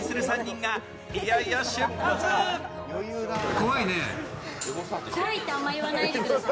怖いってあんま言わないでください。